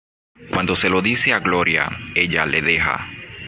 Cuando se lo dice a Gloria, ella le deja.